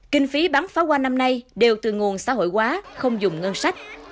kinh phí bắn pháo hoa năm nay đều từ nguồn xã hội hóa không dùng ngân sách